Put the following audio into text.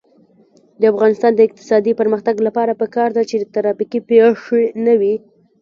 د افغانستان د اقتصادي پرمختګ لپاره پکار ده چې ترافیکي پیښې نه وي.